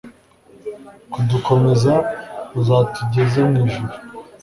kudukomeza, uzatugeze mu ijuru (